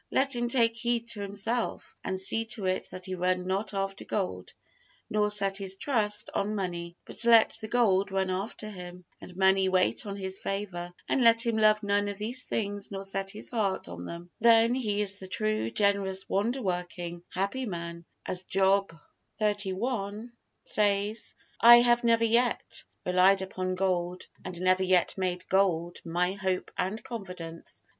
Let him take heed to himself, and see to it that he run not after gold, nor set his trust on money, but let the gold run after him, and money wait on his favor, and let him love none of these things nor set his heart on them; then he is the true, generous, wonderworking, happy man, as Job xxxi says: "I have never yet: relied upon gold, and never yet made gold my hope and confidence."